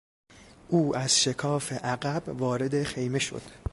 او از شکاف عقب وارد خیمه شد.